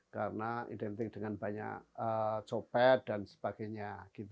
karena identik dengan banyak copet dan sebagainya